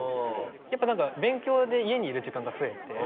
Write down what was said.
やっぱ何か勉強で家にいる時間が増えて。